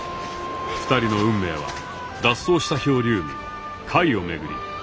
２人の運命は脱走した漂流民カイを巡り